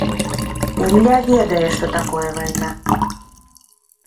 Ілля ведае, што такое вайна.